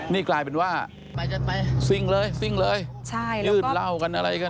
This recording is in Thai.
นี่กลายเป็นว่าไปจัดไปซิ่งเลยซิ่งเลยใช่แล้วก็ยืดเหล้ากันอะไรกัน